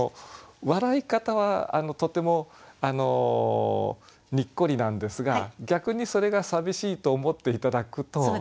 笑い方はとてもにっこりなんですが逆にそれが寂しいと思って頂くと。